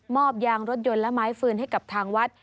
อบยางรถยนต์และไม้ฟืนให้กับทางวัด